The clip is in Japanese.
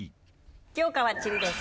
教科は地理です。